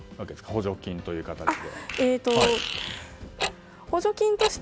補助金という形で。